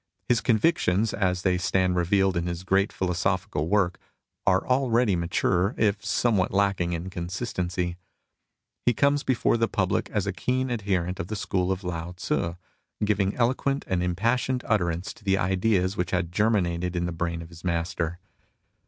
His convictions, as they stand revealed in his great philosophical work, are already mature, if somewhat lacking in consistency ; he comes before the public as a keen adherent of the school of Lao Tzii, giving eloquent and impassioned utterance to the ideas which had germinated in the brain of his Master.